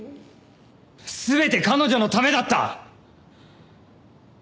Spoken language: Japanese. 全て彼女のためだった！